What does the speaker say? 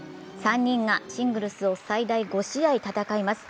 ３人がシングルスを最大５試合戦います。